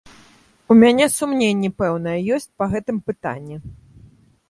У мяне сумненні пэўныя ёсць па гэтым пытанні.